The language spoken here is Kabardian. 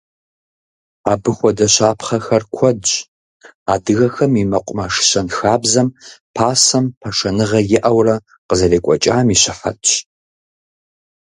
Абы хуэдэ щапхъэхэр куэдщ, адыгэхэм и мэкъумэш щэнхабзэм пасэм пашэныгъэ иӀэурэ къызэрекӀуэкӀам и щыхьэтщ.